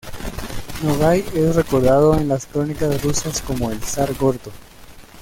Nogai es recordado en las crónicas rusas como el Zar gordo.